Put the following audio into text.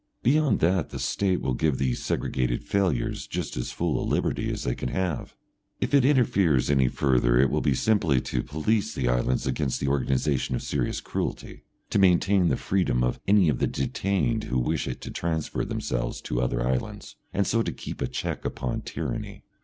Beyond that the State will give these segregated failures just as full a liberty as they can have. If it interferes any further it will be simply to police the islands against the organisation of serious cruelty, to maintain the freedom of any of the detained who wish it to transfer themselves to other islands, and so to keep a check upon tyranny.